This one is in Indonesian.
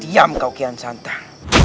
diam kau kian santan